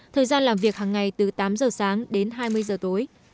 thời gian làm việc hàng ngày từ tám giờ sáng đến hai mươi giờ tối